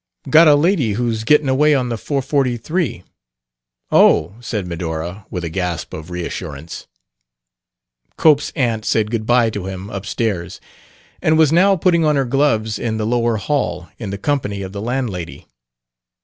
"Got a lady who's gettin' away on the four forty three." "Oh!" said Medora, with a gasp of reassurance. Cope's aunt said good bye to him up stairs and was now putting on her gloves in the lower hall, in the company of the landlady.